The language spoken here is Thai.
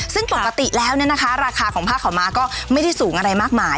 ซึ่งปกติแล้วเนี่ยนะคะราคาของผ้าขาวม้าก็ไม่ได้สูงอะไรมากมาย